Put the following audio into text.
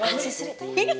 akan sih sri